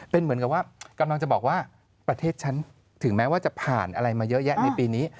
เป็นเหมือนกับว่ากำลังจะบอกว่าประเทศฉันถึงแม้ว่าจะผ่านอะไรมาเยอะแยะในปีนี้